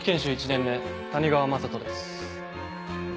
１年目谷川聖人です。